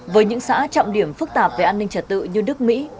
với những xã trọng điểm phức tạp về an ninh trật tự như đức mỹ